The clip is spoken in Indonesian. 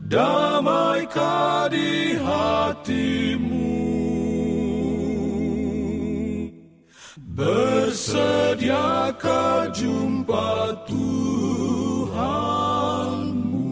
damaika di hatimu bersediaka jumpa tuhanku